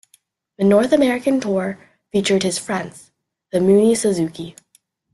The North American tour featured his friends, The Mooney Suzuki.